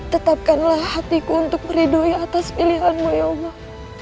tetapkanlah hatiku untuk meridoi atas pilihanmu ya allah